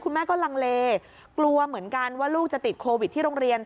แม่ก็ลังเลกลัวเหมือนกันว่าลูกจะติดโควิดที่โรงเรียน